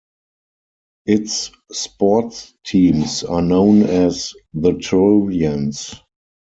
Its sports teams are known as the Trojans.